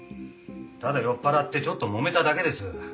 ただ酔っ払ってちょっともめただけです。